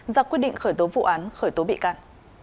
ra quyết định khởi tố vụ án khởi tố bị can